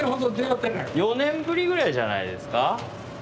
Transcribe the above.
４年ぶりぐらいじゃないですか。